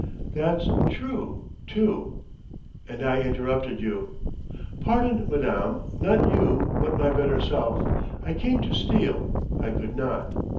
"That's true, too." "And I interrupted you " "Pardon, madame: not you, but my better self. I came to steal I could not."